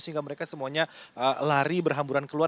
sehingga mereka semuanya lari berhamburan keluar